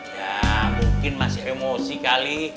ya mungkin masih emosi kali